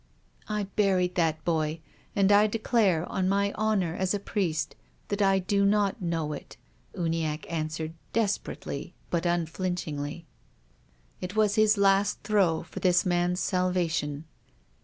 "" I buried that boy, and I declare on my honour THE GRAVE. 10 1 as a priest that I do not know it," Uniacke answered, desperately but unflinchingly. It was his last throw for this man's salvation.